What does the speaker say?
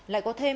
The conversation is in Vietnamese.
lại có thêm